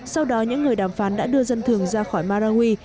sau đó những người đàm phán đã đưa dân thường ra khỏi marawi